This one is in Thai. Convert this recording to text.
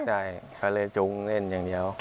ใช่ข้าวเล็กจุ้งเล่นอย่างเดียว